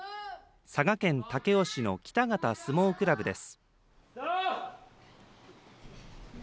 佐賀県武雄市の北方相撲クラブです。